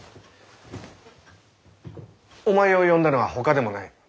お前を呼んだのはほかでもない。